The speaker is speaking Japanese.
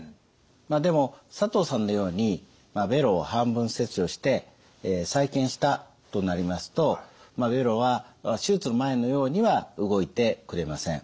まあでも佐藤さんのようにべろを半分切除して再建したとなりますとべろは手術の前のようには動いてくれません。